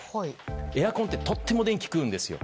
エアコンってとっても電気を食うんですよ。